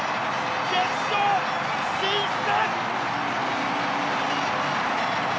決勝進出！